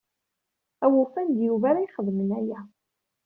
Awufan d Yuba ara ixeddmen aya.